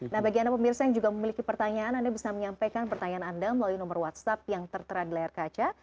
nah bagi anda pemirsa yang juga memiliki pertanyaan anda bisa menyampaikan pertanyaan anda melalui nomor whatsapp yang tertera di layar kaca